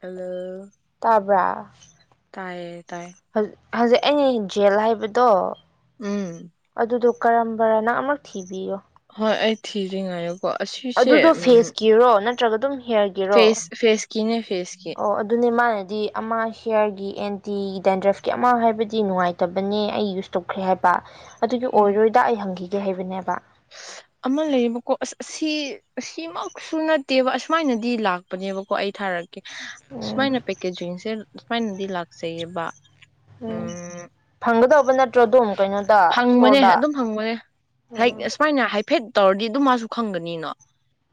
hello ꯇꯥꯕ꯭ꯔꯥ ꯇꯥꯏꯌꯦ ꯇꯥꯏ ꯍꯧꯖꯤꯛ ꯑꯩꯅ ꯖꯦꯜ ꯍꯥꯏꯕꯗꯣ ꯎꯝ ꯑꯗꯨꯗꯣ ꯀꯔꯝꯕꯔꯥ ꯅꯪ ꯑꯃꯔꯛ ꯊꯤꯕꯤꯌꯣ ꯍꯣꯏ ꯑꯩ ꯊꯤꯔꯤ ꯉꯥꯏꯌꯨ ꯑꯗꯨꯗꯣ ꯐꯦꯁꯀꯤꯔꯣ ꯅꯠ ꯅꯠꯇ꯭ꯔꯒ ꯑꯗꯨꯝ ꯍꯦꯔꯒꯦꯔꯣ ꯐꯦꯁ ꯐꯦꯁꯀꯤꯅꯦ ꯐꯦꯁꯀꯤ ꯑꯣ ꯑꯗꯨꯅꯦ ꯃꯥꯅꯗꯤ ꯑꯃ ꯍꯤꯌꯔꯒꯤ ꯑꯦꯟꯇꯤ ꯗꯦꯟꯗ꯭ꯔꯐꯀꯤ ꯑꯃ ꯍꯥꯏꯕꯗꯤ ꯅꯨꯡꯉꯥꯏꯇꯕꯅꯦ ꯑꯩ ꯌꯨꯁ ꯇꯧꯈ꯭ꯔꯦ ꯍꯥꯏꯕ ꯑꯗꯨꯗꯤ ꯎꯝ ꯑꯣꯏꯔꯣꯏꯗ ꯑꯩ ꯍꯪꯈꯤ ꯒꯦ ꯍꯥꯏꯕꯅꯦꯕ ꯑꯃ ꯂꯩꯌꯦꯕꯀꯣ ꯑꯁ ꯑꯁꯤ ꯁꯤꯃꯛꯁꯨ ꯅꯠꯇꯦꯕ ꯑꯁꯨꯃꯥꯏꯅꯗꯤ ꯂꯥꯛꯄꯅꯦꯕꯀꯣ ꯑꯩ ꯊꯥꯔꯛ ꯎꯝ ꯁꯨꯃꯥꯏꯅ ꯄꯦꯛꯀꯦꯖꯤꯡꯁꯦ ꯁꯨꯃꯥꯏꯅꯗꯤ ꯂꯥꯛꯆꯩꯌꯦꯕ ꯎꯝ ꯐꯪꯒꯗꯧꯕ ꯅꯠꯇ꯭ꯔꯣ ꯑꯗꯨꯝ ꯀꯩꯅꯣꯗ ꯐꯪꯕꯅꯦ ꯏꯁꯇꯣꯔꯗ ꯑꯗꯨꯝ ꯐꯪꯕꯅꯦ ꯎꯝ ꯑꯁꯨꯃꯥꯏꯅ ꯍꯥꯏꯐꯦꯠ ꯇꯧꯔꯗꯤ ꯑꯗꯨꯝ ꯃꯥꯁꯨ ꯈꯪꯒꯅꯤꯅ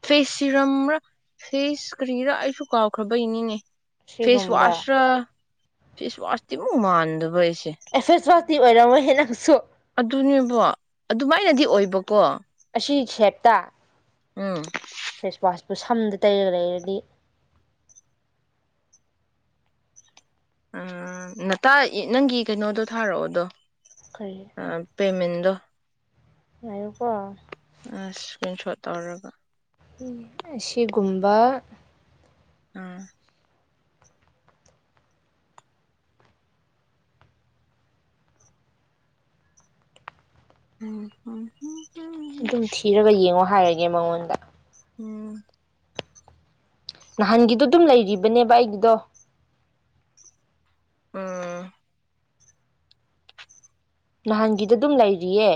ꯐꯦꯁ ꯁꯤꯔꯝꯔ ꯐꯦꯁ ꯀ꯭ꯔꯤꯔ ꯑꯩꯁꯨ ꯀꯥꯎꯈ꯭ꯔꯥꯕꯩꯅꯤꯅꯦ ꯐꯦꯁ ꯁꯤꯒꯨꯝꯕ ꯋꯥꯁ ꯔ ꯐꯦꯁꯋꯥꯁ ꯇꯤꯃꯨꯛꯃꯥꯟꯗꯕ ꯑꯦ ꯐꯦꯁ ꯋꯥꯁ ꯇꯤ ꯑꯣꯏꯔꯝꯃꯣꯏ ꯍꯦ ꯅꯪꯁꯨ ꯑꯗꯨꯅꯦꯕ ꯑꯗꯨꯃꯥꯏꯅꯗꯤ ꯑꯣꯏꯕꯀꯣ ꯑꯁꯤ ꯁꯦꯞꯇꯥ ꯎꯝ ꯐꯦꯁꯋꯥꯁꯄꯨ ꯁꯝꯗ ꯇꯩꯔ ꯂꯩꯔꯗꯤ ꯑ ꯅꯇꯥ ꯅꯪꯒꯤ ꯀꯩꯅꯣꯗꯣ ꯊꯥꯔꯛꯑꯣꯗꯣ ꯀꯔꯤ ꯑ ꯄꯦꯃꯦꯟ ꯗꯣ ꯉꯥꯏꯌꯨꯀꯣ ꯑꯥ ꯁ꯭ꯀꯤꯟ ꯁꯣꯠ ꯇꯧꯔꯒ ꯑꯁꯤꯒꯨꯝꯕ ꯑꯥ ꯎꯝ ꯎꯝ ꯃꯤ ꯃꯉꯣꯟꯗ ꯎꯝ ꯅꯍꯥꯟꯒꯤꯗꯣ ꯑꯗꯨꯝ ꯂꯩꯔꯤꯕꯅꯦꯕ ꯑꯩꯒꯤꯗꯣ ꯑꯝ ꯅꯍꯥꯟꯒꯤꯗꯣ ꯑꯗꯨꯝ ꯂꯩꯔꯤꯌꯦ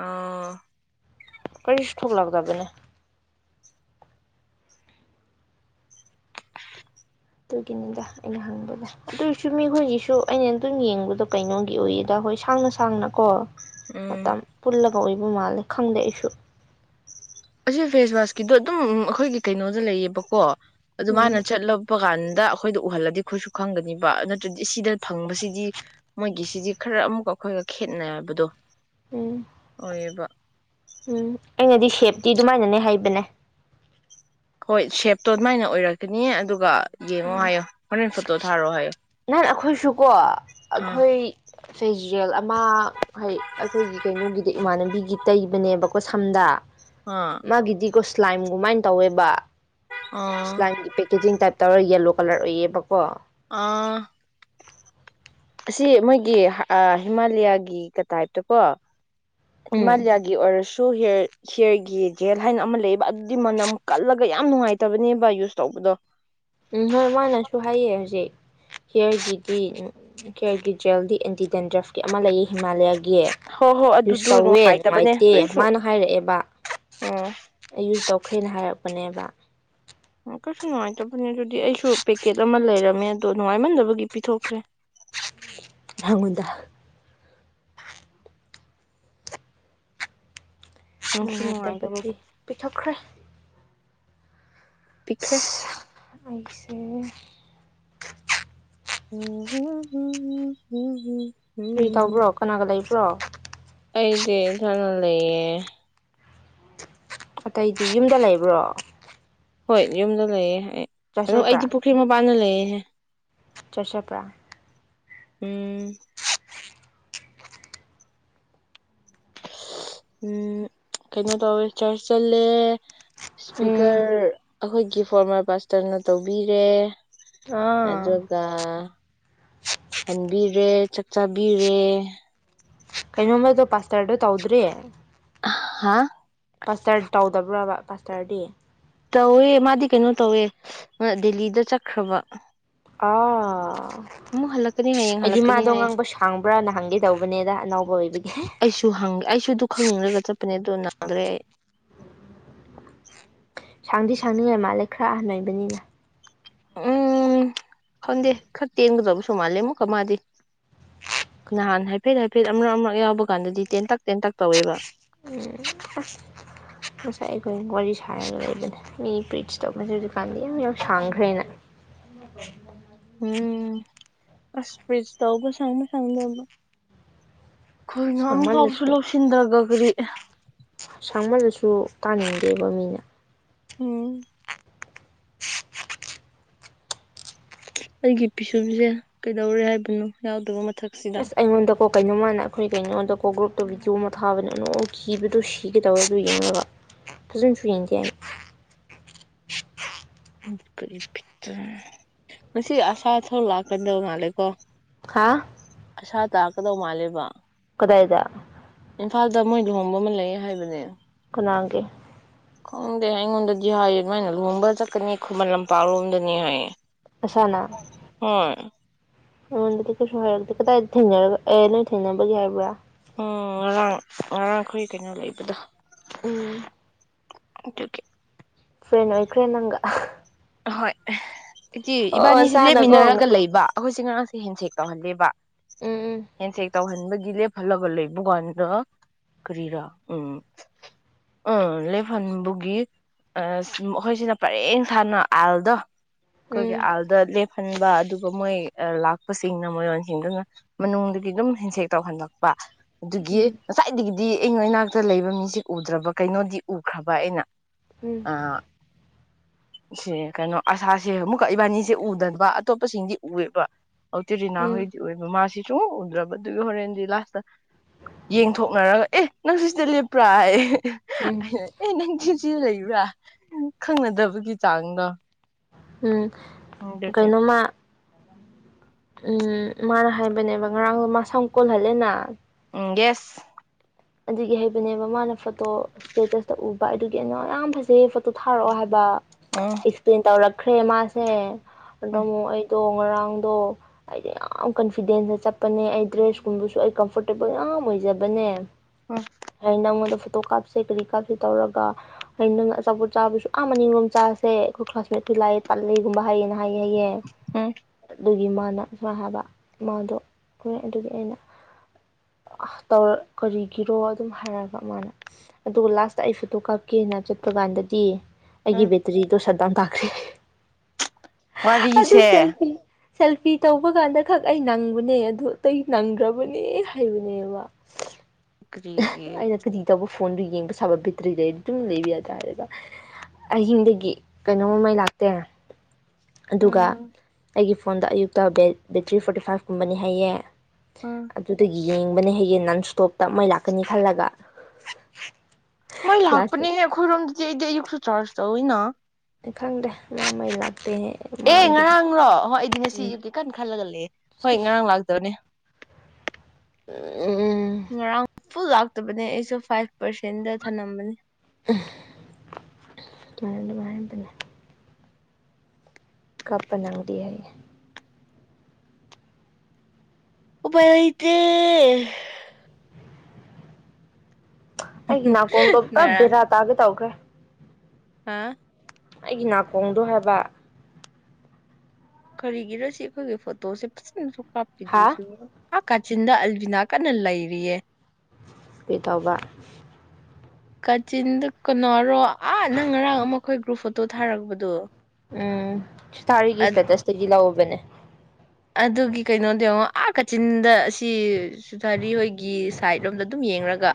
ꯑꯣ ꯀꯔꯤꯁꯨ ꯊꯣꯛ ꯂꯛꯇꯕꯅꯦ ꯑꯗꯨꯒꯤꯅꯤꯗ ꯑꯩꯅ ꯍꯪꯕꯗꯣ ꯑꯗꯨꯏꯁꯨ ꯃꯤꯈꯣꯏꯒꯤꯁꯨ ꯑꯩꯅ ꯑꯗꯨꯝ ꯌꯦꯡꯕꯗꯣ ꯀꯩꯅꯣꯒꯤ ꯑꯣꯏꯌꯦꯗ ꯍꯣꯏ ꯁꯥꯡꯅ ꯁꯥꯡꯅ ꯀꯣ ꯎꯝ ꯃꯇꯝ ꯄꯨꯜꯂ ꯇꯧꯏꯕ ꯃꯥꯜꯂꯦ ꯈꯪꯗꯦ ꯑꯩꯁꯨ ꯑꯁꯤ ꯐꯦꯁꯋꯥꯁꯀꯤꯗꯣ ꯑꯗꯨꯝ ꯑꯩꯈꯣꯏꯒꯤ ꯀꯩꯅꯣꯗ ꯂꯩꯌꯦꯕꯀꯣ ꯑꯗꯨ ꯎꯝ ꯃꯥꯅ ꯆꯠꯂꯛꯄ ꯀꯥꯟ ꯗ ꯑꯩꯈꯣꯏꯗ ꯎꯍꯜꯂꯗꯤ ꯑꯩꯈꯣꯏꯁꯨ ꯈꯪꯒꯅꯤꯕ ꯅꯠꯇ꯭ꯔꯗꯤ ꯁꯤꯗ ꯐꯪꯕꯁꯤꯗꯤ ꯃꯣꯏ ꯁꯤꯗꯤ ꯈꯔ ꯑꯃꯨꯛꯀ ꯑꯩꯈꯣꯏꯒ ꯈꯦꯠꯅꯕꯗꯣ ꯎꯝ ꯑꯣꯏꯌꯦꯕ ꯎꯝ ꯑꯩꯅꯗꯤ ꯁꯦꯞꯇꯤ ꯑꯗꯨꯃꯥꯏꯅꯅꯦ ꯍꯥꯏꯕꯅꯦ ꯍꯣꯏ ꯁꯦꯞꯇꯣ ꯑꯗꯨꯃꯥꯏꯅ ꯑꯣꯏꯔꯛꯀꯅꯤ ꯑꯗꯨꯒ ꯌꯦꯡꯉꯣ ꯎꯝ ꯍꯥꯏꯌꯣ ꯍꯣꯔꯦꯟ ꯐꯣꯇꯣ ꯊꯥꯔꯛꯑꯣ ꯍꯥꯏꯌꯣ ꯁꯨꯀꯣ ꯑꯥ ꯑꯩꯈꯣꯏ ꯐꯦꯖꯋꯦꯜ ꯑꯃ ꯍꯥꯏ ꯑꯩꯈꯣꯏꯒꯤ ꯀꯩꯅꯣꯒꯤꯗꯤ ꯏꯃꯥꯟꯅꯕꯤꯒꯤ ꯇꯩꯕꯅꯦꯕꯀꯣ ꯁꯝꯗꯥ ꯑꯥ ꯃꯥꯒꯤꯗꯤ ꯀꯣꯁ ꯁ꯭ꯂꯥꯏꯝ ꯒꯨꯃꯥꯢ ꯇꯧꯋꯦꯕ ꯑꯥ ꯁ꯭ꯂꯥꯏꯝꯒꯤ ꯄꯦꯀꯦꯖꯤꯡ ꯇꯥꯏꯞ ꯇꯧꯔ ꯌꯦꯜꯂꯣ ꯀꯂꯔ ꯑꯣꯏꯌꯦꯕꯀꯣ ꯑꯥ ꯑꯁꯤ ꯃꯣꯏꯒꯤ ꯍꯤꯃꯥꯂꯌꯥꯒꯤ ꯀ ꯇꯥꯏꯞꯇꯀꯣ ꯎꯝ ꯍꯤꯃꯥꯂꯌꯥꯒꯤ ꯑꯣꯏꯔꯁꯨ ꯁꯨ ꯍꯤꯌꯔ ꯍꯦꯌꯔꯒꯤ ꯖꯦꯜ ꯍꯥꯏꯅ ꯑꯃ ꯂꯩꯑꯕ ꯑꯗꯨꯗꯤ ꯃꯅꯝ ꯀꯜꯂꯒ ꯌꯥꯝ ꯅꯨꯡꯉꯥꯏꯇꯕꯅꯦꯕ ꯌꯨꯁ ꯇꯧꯕꯗꯣ ꯎꯝ ꯍꯣꯏ ꯃꯥꯅꯁꯨ ꯍꯥꯏꯑ ꯍꯧꯖꯤꯛ ꯍꯤꯌꯔꯒꯤꯗꯤ ꯍꯦꯌꯔꯒꯤ ꯖꯦꯜꯗꯤ ꯑꯦꯟꯇꯤꯗꯦꯟꯗ꯭ꯔꯐꯀꯤ ꯑꯃ ꯂꯩꯌꯦ ꯍꯤꯃꯥꯂꯌꯥꯒꯤ ꯍꯣꯏ ꯍꯣꯏ ꯌꯨꯁ ꯑꯗꯨꯗꯣ ꯇꯧꯋꯦ ꯅꯨꯡꯉꯥꯏꯇꯕꯅꯦ ꯅꯨꯡꯉꯥꯏꯇꯦ ꯀꯔꯤꯁꯨ ꯃꯥꯅ ꯍꯥꯏꯔꯛꯑꯦꯕ ꯎꯝ ꯑꯩ ꯁꯨ ꯇꯧ ꯑꯩꯈꯣꯏꯅ ꯍꯥꯏꯔꯛꯄꯅꯦꯕ ꯀꯩꯁꯨ ꯅꯨꯡꯉꯥꯏꯇꯕꯅꯦ ꯑꯗꯨꯗꯤ ꯑꯩꯁꯨ ꯄꯦꯀꯦꯠ ꯑꯃ ꯂꯩꯔꯝꯃꯦ ꯑꯗꯨ ꯅꯨꯡꯉꯥꯏꯃꯟꯗꯕꯒꯤ ꯄꯤꯊꯣꯛꯈ꯭ꯔꯦ ꯍꯪꯉꯨꯗ ꯅꯨꯡꯁꯨ ꯅꯨꯡꯉꯥꯏꯇꯕꯗꯤ ꯅꯨꯡꯉꯥꯏꯇꯕꯕꯨ ꯄꯤꯊꯣꯛꯈ꯭ꯔꯦ ꯄꯤꯛꯈ꯭ꯔꯦ ꯁꯤ ꯑꯩꯁꯦ ꯎ [unintelligible] ꯀꯔꯤ ꯇꯧꯕ꯭ꯔꯣ ꯀꯅꯥꯒ ꯂꯩꯕ꯭ꯔꯣ ꯄ꯭ꯔꯣ ꯑꯩꯗꯤ ꯏꯊꯟ ꯂꯩꯌꯦ ꯑꯇꯩꯗꯤ ꯌꯨꯝꯗ ꯂꯩꯕ꯭ꯔꯣ ꯍꯣꯏ ꯌꯨꯝꯗ ꯂꯩꯌꯦ ꯑꯩ ꯆꯔꯆ ꯑꯗꯣ ꯑꯩꯗꯤ ꯄꯨꯈ꯭ꯔꯤ ꯃꯄꯥꯟꯅ ꯂꯩꯌꯦ ꯑꯦ ꯑꯦ ꯆꯆꯄ꯭ꯔꯥ ꯎꯝ ꯎꯝ ꯀꯩꯅꯣ ꯇꯧꯋꯦ ꯆꯔꯆ ꯆꯠꯂꯦ ꯎꯝ ꯏꯁꯄꯤꯀꯔ ꯑꯩꯈꯣꯏꯒꯤ ꯐꯣꯔꯃꯔ ꯄꯥꯁꯇꯔꯅ ꯇꯧꯕꯤꯔꯦ ꯑꯥ ꯑꯗꯨꯒ ꯍꯟꯕꯤꯔꯦ ꯆꯥꯛ ꯆꯥꯕꯤꯔꯦ ꯀꯩꯅꯣꯝꯃꯗꯣ ꯄꯥꯁꯇꯔꯗꯣ ꯇꯧꯗ꯭ꯔꯤ ꯍꯥꯥ ꯄꯥꯁꯇꯔ ꯇꯧꯗꯕ꯭ꯔꯥꯕ ꯄꯥꯁꯇꯔꯗꯤ ꯇꯧꯋꯦ ꯃꯥꯗꯤ ꯀꯩꯅꯣ ꯇꯧꯋꯦ ꯗꯦꯜꯂꯤꯗ ꯆꯠꯈ꯭ꯔꯕ ꯑꯥ ꯑꯃꯨꯛ ꯍꯜꯂꯛꯀꯅꯤ ꯍꯌꯦꯡ ꯑꯩꯗꯤ ꯍꯜꯂꯛꯀꯅꯤ ꯃꯥꯗꯣ ꯍꯥꯏ ꯉꯥꯡꯕ ꯁꯥꯡꯕꯔꯥꯅ ꯍꯪꯒꯦ ꯇꯧꯕꯅꯦꯗ ꯑꯅꯧ [unintelligible] ꯑꯩꯁꯨ ꯍꯪꯉ ꯑꯩꯁꯨ ꯑꯗꯨ ꯈꯪꯅꯤꯡꯂꯒ ꯆꯠ ꯄꯅꯦ ꯑꯗꯨ ꯅꯣꯗ꯭ꯔꯦ ꯑꯩ ꯁꯥꯡꯗꯤ ꯁꯥꯡꯅꯤꯡꯉꯥꯏ ꯃꯥꯜꯂꯦ ꯈꯔ ꯑꯍꯟ ꯑꯣꯏꯕꯅꯤꯗ ꯎꯝ ꯈꯪꯗꯦ ꯈꯔ ꯇꯦꯟꯒꯗꯕꯁꯨ ꯃꯥꯜꯂꯦ ꯑꯃꯨꯛꯀ ꯃꯥꯗꯤ ꯅꯍꯥꯟ ꯍꯥꯏꯐꯦꯠ ꯍꯥꯏꯐꯦꯠ ꯑꯃ ꯑꯃꯛ ꯌꯥꯎꯕ ꯀꯥꯟꯗꯗꯤ ꯇꯦꯟꯇꯛ ꯇꯦꯟꯇꯛ ꯇꯧꯋꯦꯕ ꯎꯝ ꯑꯁ ꯉꯁꯥꯏ ꯑꯩꯈꯣꯏ ꯋꯥꯔꯤ ꯁꯥꯔꯒ ꯂꯩꯕꯅꯦ ꯃꯤ ꯄ꯭ꯔꯤꯁ ꯇꯧꯕꯁꯦ ꯍꯧꯖꯤꯛꯀꯥꯟꯗꯤ ꯌꯥꯝ ꯌꯥꯝ ꯁꯥꯡꯈ꯭ꯔꯦꯅ ꯎꯝ ꯑꯁ [unintelligible] ꯑꯩꯈꯣꯏ ꯉꯝ ꯐꯥꯎꯕꯁꯨ ꯁꯥꯡꯃꯜꯂꯁꯨ ꯂꯧꯁꯤꯟꯗꯕ ꯒꯔꯤ ꯁꯨ ꯇꯥꯅꯤꯡꯗꯦꯕ ꯃꯤꯅ ꯎꯝ ꯑꯩꯒꯤ ꯄꯤꯁꯨꯝꯁꯦ ꯀꯩꯗꯧꯔꯦ ꯍꯥꯏꯕꯅꯣ ꯌꯥꯎꯗꯕ ꯃꯊꯛꯁꯤꯗ ꯑꯁ ꯑꯩꯉꯣꯟꯗꯀꯣ ꯀꯩꯅꯣꯝ ꯃꯥꯟꯅ ꯑꯩꯈꯣꯏ ꯀꯩꯅꯣꯗ ꯀꯣ ꯒ꯭ꯔꯨꯞꯇ ꯚꯤꯗꯤꯑꯣ ꯑꯃ ꯊꯥꯕꯅꯦ ꯅꯣꯛꯈꯤꯕꯗꯣ ꯁꯤꯒꯦꯇꯧꯋꯦ ꯑꯗꯨ ꯌꯦꯡꯉꯒ ꯐꯖꯅꯁꯨ ꯌꯦꯡꯗꯦ ꯑꯩ ꯀꯔꯤ ꯕꯤꯠꯇ ꯉꯁꯤ ꯑꯍꯥ ꯊꯣꯔ ꯂꯥꯛꯀꯗꯧ ꯃꯥꯜꯂꯦꯀꯣ ꯍꯥꯥ ꯑꯁꯥ ꯇꯥꯛꯀꯗꯧ ꯃꯥꯂꯦꯕ ꯀꯗꯥꯏꯗ ꯏꯝꯐꯥꯜꯗ ꯃꯣꯏ ꯂꯨꯍꯣꯡꯕ ꯑꯃ ꯂꯩ ꯍꯥꯏꯕꯅꯦ ꯀꯅꯥꯒꯤ ꯈꯪꯗꯦ ꯑꯩꯉꯣꯟꯗꯗꯤ ꯍꯥꯢꯌꯦ ꯑꯗꯨꯃꯥꯏꯅ ꯂꯨꯍꯣꯡꯕ ꯆꯠ ꯆꯠꯀꯅꯤ ꯈꯨꯃꯟ ꯂꯝꯄꯥꯛꯔꯣꯝꯗꯅꯤ ꯑꯁꯥꯅ ꯍꯣꯏ ꯑꯩꯉꯣꯟꯗꯗꯤ ꯀꯩꯁꯨ ꯍꯥꯏꯔꯝꯗꯦ ꯀꯗꯥꯏ ꯊꯦꯡꯅꯔꯒ ꯑꯦ ꯅꯣꯏ ꯊꯦꯡꯅꯕꯒꯤ ꯍꯥꯏꯕ꯭ꯔꯥ ꯎꯝ ꯉꯔꯥꯡ ꯉꯔꯥꯡꯑꯩꯈꯣꯏ ꯀꯩꯅꯣ ꯂꯩꯕꯗꯣ ꯎꯝ ꯑꯗꯨꯒꯤ ꯐ꯭ꯔꯦꯟ ꯑꯣꯏꯈ꯭ꯔꯦ ꯅꯪꯒ ꯍꯣꯏ ꯏꯆꯦ ꯑꯣ ꯏꯕꯥꯅꯤꯁꯦ ꯅꯁꯥꯅꯀꯣ ꯂꯦꯞꯃꯤꯟꯅꯔꯒ ꯂꯩꯕ ꯑꯩꯈꯣꯏꯁꯦ ꯉꯥꯔꯥꯡꯁꯦ ꯍꯦꯟꯁꯦꯛ ꯇꯧꯍꯟꯗꯦꯕ ꯎꯝ ꯍꯦꯟꯁꯦꯛ ꯇꯧꯍꯟꯕꯒꯤ ꯂꯦꯞꯍꯜꯂꯒ ꯂꯩꯕ ꯀꯥꯟꯗ ꯀꯔꯤꯔ ꯎꯝ ꯎꯝ ꯂꯦꯞꯍꯟꯕꯒꯤ ꯑ ꯁꯨꯝ ꯑꯈꯣꯏꯁꯤꯅ ꯄꯔꯦꯡ ꯁꯥꯥꯅ ꯑꯥꯜꯗꯣ ꯑꯩꯈꯣꯏꯒꯤ ꯎꯝ ꯑꯥꯜꯗ ꯂꯦꯞꯍꯟꯕ ꯑꯗꯨꯒ ꯃꯣꯏ ꯂꯥꯛꯄꯁꯤꯡꯅ ꯃꯣꯏꯌꯣꯟꯁꯤꯡꯗꯨꯅ ꯃꯅꯨꯡꯗꯒꯤꯗꯨꯒꯤ ꯑꯗꯨꯝ ꯍꯦꯟꯁꯦꯛ ꯇꯧꯍꯜꯂꯛꯄ ꯑꯗꯨꯒꯤ ꯎꯝ ꯉꯁꯥꯏꯗꯒꯤꯗꯤ ꯑꯩꯩꯅ ꯏꯅꯥꯛꯇ ꯂꯩꯕ ꯃꯤꯁꯦ ꯎꯗ꯭ꯔꯕ ꯀꯩꯅꯣꯗꯤ ꯎꯈ꯭ꯔꯕ ꯑꯩꯅ ꯎꯝ ꯑ ꯁꯦ ꯀꯩꯅꯣ ꯑꯁꯥꯁꯦ ꯑꯃꯨꯛꯀ ꯏꯕꯥꯅꯤꯁꯦ ꯎꯗꯕ ꯑꯇꯣꯞꯄꯁꯤꯡꯗꯤ ꯎꯌꯦꯕ ꯎꯝ ꯎꯝ [unintelligible] ꯁꯨꯛꯎ ꯎꯗ꯭ꯔꯕꯗꯨ ꯌꯦꯡꯊꯣꯛꯅꯔ ꯍꯣꯔꯦꯟꯗꯤ ꯂꯥꯁꯇ ꯌꯦꯡꯊꯣꯛꯅꯔꯒ ꯑꯦ ꯅꯪ ꯁꯤꯇ ꯂꯦꯞꯄ꯭ꯔꯥ ꯑꯦ ꯎꯝ [unintelligible] ꯏꯖꯤꯛ ꯖꯤꯛ ꯑ ꯂꯩꯕꯔꯥ ꯈꯪꯅꯗꯕꯒꯤ ꯆꯥꯡꯗꯣ ꯎꯝ ꯑꯗꯨꯒꯤ ꯀꯩꯅꯣꯃ ꯎꯝ ꯃꯥꯅ ꯍꯥꯏꯕꯅꯦꯕ ꯉꯔꯥꯡꯗꯣ ꯃꯥ ꯁꯝ ꯀꯣꯜꯍꯜꯂꯦꯅ ꯎꯝ ꯌꯦꯁ ꯑꯗꯨꯒꯤ ꯍꯥꯏꯕꯅꯦꯕ ꯃꯥꯅ ꯐꯣꯇꯣ ꯁ꯭ꯇꯦꯇꯁ ꯎꯕ ꯑꯗꯨꯒꯤ ꯑꯩꯅ ꯌꯥꯝ ꯐꯖꯩꯌꯦ ꯐꯣꯇꯣ ꯊꯥꯔꯛꯑꯣ ꯍꯥꯏꯕ ꯎꯝ [unintelligible] ꯀ꯭ꯔꯦꯃꯥꯁꯦ ꯑꯗꯣ ꯎꯝ ꯃꯨꯛ ꯑꯩ ꯗꯣ ꯉꯔꯥꯡꯗꯣ ꯑꯩꯗꯤ ꯌꯥꯝ ꯀꯟꯐꯤꯗꯦꯟꯗ ꯆꯠꯄꯅꯦ ꯑꯩ ꯗ꯭ꯔꯦꯁꯀꯨꯝꯕꯁꯨ ꯑꯩ ꯀꯝꯐꯣꯔꯇꯦꯕꯜ ꯌꯥꯝ ꯑꯣꯏꯖꯕꯅꯦ ꯎꯝ ꯑꯩ ꯅꯉꯣꯟꯗ ꯐꯨꯠ ꯐꯣꯇꯣ ꯀꯥꯞꯁꯦ ꯀꯔꯤ ꯀꯥꯞꯁꯦ ꯇꯧꯔꯒ ꯑꯩ ꯅꯪ ꯑꯆꯥꯄꯣꯠ ꯆꯥꯕꯁꯨ ꯑꯥ ꯑꯅꯤꯔꯣꯝ ꯆꯥꯥꯁꯦ ꯑꯩꯈꯣꯏ ꯀ꯭ꯂꯥꯁꯃꯦꯠꯁꯨ ꯂꯥꯛꯑꯦ ꯇꯠꯂꯦꯒꯨꯝꯕ ꯍꯥꯏꯌꯦꯅ ꯍꯥꯏ ꯍꯥꯏꯌꯦ ꯎꯝ ꯑꯗꯨꯒꯤ ꯃꯥ [unintelligible] ꯀꯤꯔꯣ ꯑꯗꯨꯝ ꯍꯥꯏꯔꯒ ꯃꯥꯅ ꯑꯗꯨꯒ ꯂꯥꯁꯇ ꯑꯩ ꯐꯣꯇꯣ ꯀꯥꯞꯀꯦꯅ ꯆꯠꯄ ꯀꯥꯟꯗꯗꯤ ꯎꯝ ꯑꯩꯒꯤꯕꯦꯇꯔꯤꯗꯣ ꯁꯠ ꯗ꯭ꯥꯎꯟ ꯇꯥꯈ꯭ꯔꯦ ꯑꯗꯨ ꯋꯥꯔꯤꯁꯦ ꯁꯦꯜꯐꯤ ꯁꯦꯜꯐꯤ ꯇꯧꯕ ꯀꯥꯟꯗ ꯈꯛ ꯑꯩ ꯅꯪꯕꯅꯦ ꯑꯗꯨ ꯑꯇꯩ ꯅꯪꯗ꯭ꯔꯕꯅꯦ ꯍꯥꯏꯕꯅꯦꯕ ꯀꯔꯤꯒꯤ ꯑꯩꯅ ꯀꯔꯤ ꯇꯧꯕ ꯐꯣꯟꯗꯨ ꯌꯦꯡꯕ ꯁꯥꯕ ꯕꯦꯇ꯭ꯔꯤꯗꯩ ꯑꯗꯨꯝ ꯂꯩꯕ ꯌꯥꯇꯥꯗ ꯑꯍꯤꯡꯗꯒꯤ ꯀꯩꯅꯣꯃ ꯃꯩ ꯂꯥꯛꯇꯦ ꯑꯗꯨꯒ ꯎꯝ ꯑꯩꯒꯤ ꯐꯣꯟꯗ ꯑꯌꯨꯛꯇ ꯕꯦꯇ꯭ꯔꯤ ꯐꯣꯔꯇꯤ ꯐꯥꯏꯚ ꯀꯨꯝꯕꯅꯤ ꯍꯥꯏꯌꯦ ꯎꯝ ꯑꯗꯨꯗꯒꯤ ꯌꯦꯡꯕꯅꯦ ꯍꯌꯦ ꯅꯟ ꯁ꯭ꯇꯣꯞꯇ ꯃꯩ ꯂꯥꯛ ꯀꯅꯤ ꯈꯜꯂꯒ ꯃꯩ ꯂꯥꯁꯇ ꯂꯥꯛꯄꯅꯦꯍꯦꯛ ꯑꯩꯈꯣꯏꯔꯣꯝꯗꯗꯤ ꯑꯩꯗꯤ ꯑꯌꯨꯛꯁꯨ ꯆꯥꯔꯁ ꯇꯧꯋꯦꯅ ꯈꯪꯗꯦ ꯉꯃꯩ ꯂꯥꯛ ꯑꯦ ꯉꯔꯥꯡꯔꯣ ꯍꯣꯏ ꯑꯩꯗꯤ ꯉꯁꯤ ꯎꯝ ꯑꯌꯨꯛꯀꯤ ꯀꯟ ꯈꯜꯂꯒ ꯂꯩꯑꯦ ꯍꯣꯏ ꯉꯔꯥꯡ ꯂꯥꯛꯇꯕꯅꯦ [inaudible] ꯉꯔꯥꯡ ꯐꯨꯜ ꯂꯥꯛꯇꯕꯅꯦ ꯑꯩꯁꯨ ꯐꯥꯏꯚ ꯄꯔꯁꯦꯟꯗ ꯊꯅꯝꯕꯅꯤ [unintelligible] ꯀꯞꯄ ꯅꯪꯗꯦ ꯍꯩꯌꯦ ꯎꯄꯥꯏ ꯂꯩꯇꯦ ꯑꯩꯒꯤ ꯅꯥꯀꯣꯡꯗꯣ ꯄꯨꯔꯥ ꯉꯔꯥꯡ ꯕꯦꯔꯥ ꯇꯥꯒꯦ ꯇꯧꯈ꯭ꯔꯦ ꯍꯥ ꯑꯩꯒꯤ ꯅꯥꯀꯣꯡꯗꯣ ꯍꯥꯏꯕ ꯀꯔꯤꯒꯤꯔꯥ ꯁꯦ ꯑꯩꯈꯣꯏꯒꯤ ꯐꯣꯇꯣꯁꯦ ꯐꯖꯅꯁꯨ ꯍꯥ ꯀꯞꯄꯤꯗꯨꯁꯨ ꯑꯥ ꯀꯥꯆꯤꯟꯗ ꯑꯜꯕꯤꯅꯥ ꯀꯟꯅ ꯂꯩꯔꯤꯌꯦ ꯄꯤ ꯇꯩꯕ ꯀꯆꯤꯟꯗ ꯀꯅꯥꯔꯣ ꯑꯥ ꯅꯪ ꯉꯔꯥꯡ ꯑꯃ ꯑꯈꯣꯏ ꯒ꯭ꯔꯨꯞ ꯐꯣꯇꯣ ꯊꯥꯔꯛꯄꯗꯣ ꯑꯗ ꯕꯅꯦ ꯑꯗꯨꯒꯤ ꯀꯩꯅꯣꯗꯣ ꯌꯦꯉꯣ ꯑꯥ ꯀꯥꯆꯤꯟꯗ ꯑꯁꯤ ꯁꯨꯊꯔꯤ ꯍꯣꯏꯒꯤ ꯁꯥꯏꯠ ꯔꯣꯝꯗ ꯑꯗꯨꯝ ꯌꯦꯡꯔꯒ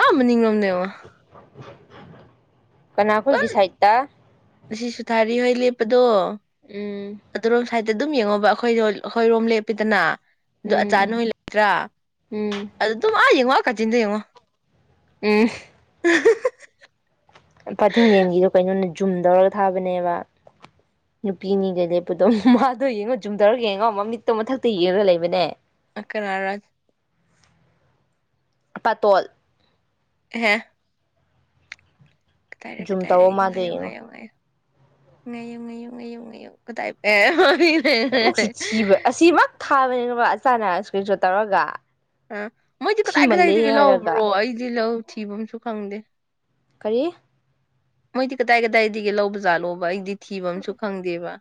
ꯑꯥ ꯃꯅꯤꯡꯔꯣꯝꯗ ꯌꯦꯉꯣ [inaudible] ꯀꯅꯥꯈꯣꯏꯒꯤ ꯁꯥꯏꯠꯇ ꯑꯁꯤꯁꯨ ꯊꯥꯔꯤ ꯅꯣꯏ ꯂꯦꯞꯄꯗꯣ ꯎꯪ ꯑꯗꯨꯔꯣꯝ ꯁꯥꯏꯗꯠꯇ ꯑꯗꯨꯝ ꯌꯦꯡꯉꯣꯕ ꯑꯈꯣꯏꯗꯣ ꯑꯈꯣꯏꯔꯣꯝ ꯂꯦꯞꯄꯤꯗꯅ ꯑꯗꯨ ꯎꯝ ꯑꯆꯥꯅꯣꯏ ꯂꯩꯇ꯭ꯔꯥ ꯎꯝ ꯑꯗꯨꯝ ꯑꯥ ꯌꯦꯡꯉꯣ ꯑꯥ ꯑꯖꯤꯟꯗ ꯌꯦꯉꯣ ꯎꯃ [unintelligible] ꯖꯨꯝꯗꯧꯔ ꯊꯥꯕꯅꯦꯕ ꯅꯨꯄꯤ ꯑꯅꯤꯗ ꯂꯦꯞꯄꯨꯗꯣ ꯃꯥꯗꯣ ꯌꯦꯡꯉꯣ ꯖꯨꯨꯝꯗꯧꯔꯒ ꯌꯦꯡꯉꯣ ꯃꯃꯤꯠꯇꯣ ꯃꯊꯛꯇ ꯌꯦꯡꯔ ꯂꯩꯕꯅꯦ [unintelligible] ꯄꯇꯣꯜ ꯑꯦꯍꯦ ꯀꯗꯥꯗꯒꯤ ꯖꯨꯝ ꯇꯧꯑꯣ ꯀꯗꯥꯏꯗꯒꯤ ꯃꯥꯗꯣ ꯉꯥꯏꯌꯨ ꯌꯦꯡꯉꯣ ꯉꯥꯏꯌꯨ ꯉꯥꯏꯌꯨ ꯉꯌꯨ ꯉꯌꯨ ꯉꯌꯨ ꯉꯌꯨ ꯀꯗꯥꯏ ꯄꯦꯃ [unintelligible] ꯊꯥꯕꯅꯤꯅꯕ ꯑꯆꯥꯥꯟꯅ ꯏꯁꯀ꯭ꯔꯤꯟꯁꯣꯠ ꯇꯧꯔꯒ ꯑ ꯃꯣꯏꯗꯤ ꯀꯦꯗꯥꯏ ꯊꯤꯃꯜꯂꯦꯍꯦ ꯀꯗꯥꯏꯗꯒꯤ ꯍꯥꯏꯔꯒ ꯂꯕ꯭ꯔꯣ ꯑꯩꯗꯤ ꯂ ꯊꯤꯕꯝꯁꯨ ꯈꯪꯗꯦ ꯀꯔꯤ ꯃꯣꯏꯗꯤ ꯀꯗꯥꯏꯒꯗꯥꯗꯤꯒ ꯂꯧꯕ ꯖꯥꯂꯣꯕ ꯑꯩꯗꯤ ꯊꯤꯕꯝꯁꯨ ꯈꯪꯗꯦꯕ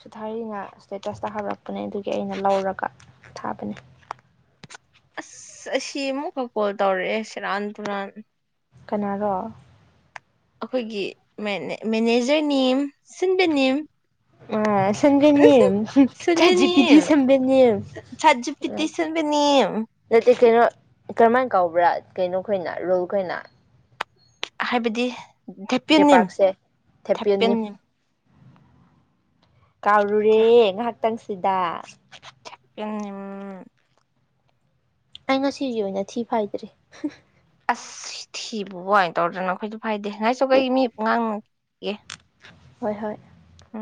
ꯁꯨꯊꯔꯤꯅ ꯏꯁꯇꯦꯇꯁꯇ ꯍꯥꯞꯔꯛꯄꯅꯦ ꯑꯗꯨꯒꯤ ꯑꯩꯅ ꯂꯧꯔꯒ ꯊꯥꯕꯅꯤ ꯑꯁ ꯑꯁꯤ ꯑꯃꯨꯛ ꯈꯛ ꯀꯣꯜ ꯇꯧꯔꯛꯑꯦ ꯁꯤꯦ ꯔꯥꯟ ꯇꯨꯔꯥꯟ ꯀꯅꯥꯔꯣ ꯑꯩꯈꯣꯏꯒꯤ ꯃꯦꯅꯦ ꯃꯦꯅꯦꯖꯔ ꯅꯤꯝ ꯁꯤꯟꯕꯅꯤꯝ [unintelligible] ꯑ ꯑꯁ [unintelligible] ꯁꯝꯒꯅꯤ ꯆꯥꯖꯤ ꯁꯟꯕꯤꯅꯤ ꯄꯤꯗꯤ ꯁꯦꯝꯟꯒꯅꯤ ꯁꯥꯠ ꯖꯤꯄꯤꯇꯤ ꯁꯟꯕꯤꯅꯤ ꯅꯠꯇꯦ ꯀꯩꯅꯣ ꯀꯔꯝꯍꯥꯏꯅ ꯀꯧꯕ꯭ꯔꯥ ꯀꯩꯅꯣ ꯈꯣꯏꯅ ꯔꯣꯜ ꯈꯣꯏꯅ ꯍꯥꯏꯕꯗꯤ ꯊꯦꯄꯤꯅꯤꯝ ꯖꯦꯄꯥꯛꯁꯦ ꯊꯦꯄꯤꯌꯟꯅꯤ ꯊꯦꯄꯤꯅꯤꯝ [unintelligible] ꯀꯥꯎꯔꯨ ꯔꯦ ꯍꯥ ꯇꯪꯁꯤꯗ [unintelligible] ꯎ [unintelligible] ꯑꯩ ꯉꯁꯤꯒꯤ ꯑꯣꯏꯅ ꯊꯤ ꯐꯥꯏꯗ꯭ꯔꯔꯤ ꯑꯁ ꯊꯤꯕꯨ ꯋꯥ ꯑꯣꯏ ꯇꯧꯗꯅ ꯑꯩꯈꯣꯏꯁꯨ ꯐꯥꯏꯗꯦ ꯉꯥꯏꯁꯨ ꯀꯩ ꯃꯤ ꯉꯥꯡꯉꯒꯦ ꯍꯣꯏ ꯍꯣꯏ ꯎ